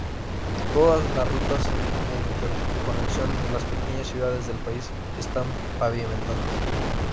Todas las rutas de interconexión de las pequeñas ciudades del país están pavimentadas.